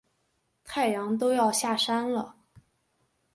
太阳都要下山了